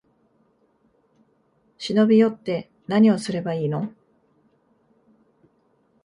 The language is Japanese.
忍び寄って、なにをすればいいの？